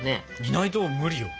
いないと無理よ。